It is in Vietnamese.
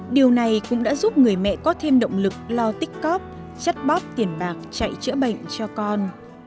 điều này cũng đã giúp người mẹ có thêm động lực lo tích cóp chatbot tiền bạc chạy chữa bệnh cho con